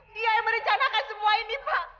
dia yang merencanakan semua ini pak